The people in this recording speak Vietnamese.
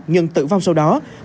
nhân tử vong sau đó